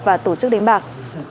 và tổ chức đánh bạc